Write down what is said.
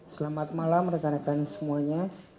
selamat malam rekan rekan semuanya